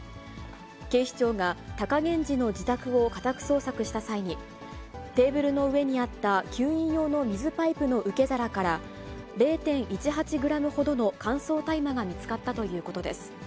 警視庁が貴源治の自宅を家宅捜索した際に、テーブルの上にあった吸引用の水パイプの受け皿から、０．１８グラムほどの乾燥大麻が見つかったということです。